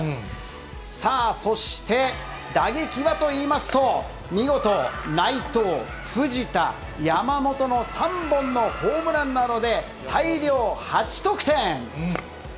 さあ、そして、打撃はといいますと、見事、内藤、藤田、山本の３本のホームランなどで大量８得点。